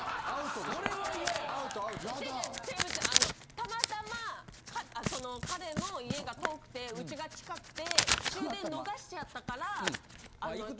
たまたまその彼の家が遠くてうちが近くて終電逃しちゃったからあの。